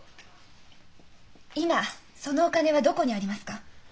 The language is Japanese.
今そのお金はどこにありますか？